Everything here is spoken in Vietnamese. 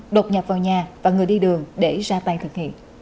đột nhập vào nhà và người đi đường để ra tay thực hiện